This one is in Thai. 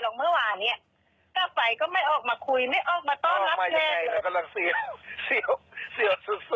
ส่งไปให้หนูเอออีกมันทิ้งแล้วส่งไปให้ส่งไลน์ไปให้ดูแล้วเนี้ย